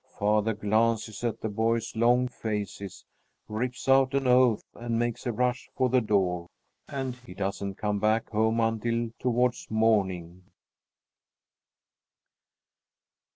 Father glances at the boys' long faces, rips out an oath, and makes a rush for the door, and he doesn't come back home until on towards morning.